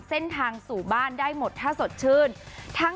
เส้นทางสู่บ้านได้หมดถ้าสดชื่น